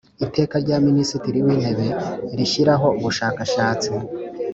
Iteka rya Minisitiri w Intebe rishyiraho Umushakashatsi